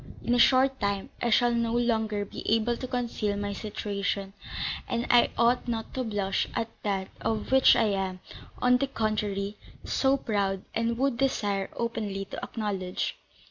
In a short time, I shall no longer be able to conceal my situation; and I ought not to blush at that of which I am, on the contrary, so proud, and would desire openly to acknowledge."